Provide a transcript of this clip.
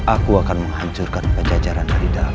aku akan menghancurkan pecah jarak dari dalam